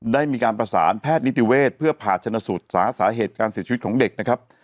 ได้มีการประสานแพทย์นิติเวศเพื่อผ่าชนสูตรสาสาเหตุการเสียชีวิตของเด็กนะครับ